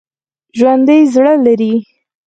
ژوندي زړه لري